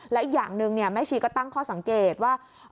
และอีกอย่างหนึ่งแม่ชีก็ตั้งข้อสังเกตว่า